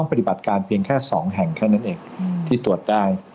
ปฏิบัติการเพียงแค่๒แห่งแค่นั้นเองที่ตรวจได้